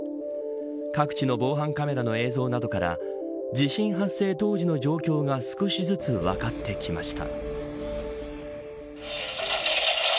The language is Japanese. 各地の防犯カメラの映像などから地震発生当時の状況が少しずつ分かってきました。